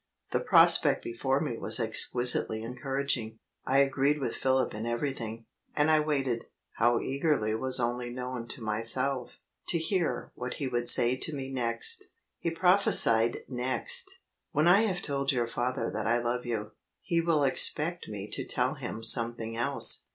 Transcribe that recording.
The prospect before me was exquisitely encouraging. I agreed with Philip in everything; and I waited (how eagerly was only known to myself) to hear what he would say to me next. He prophesied next: "When I have told your father that I love you, he will expect me to tell him something else.